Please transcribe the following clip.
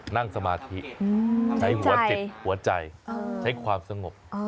นั่งสมาธิใช้หัวจิตหัวใจใช้ความสงบ